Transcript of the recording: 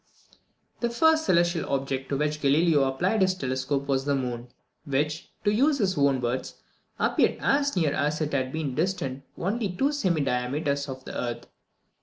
The first celestial object to which Galileo applied his telescope was the moon, which, to use his own words, appeared as near as if it had been distant only two semidiameters of the earth.